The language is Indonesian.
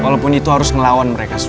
walaupun itu harus ngelawan mereka